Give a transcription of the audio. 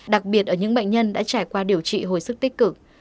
đặc biệt ở những bệnh nhân đã trải qua điều trị hồi sức tích cực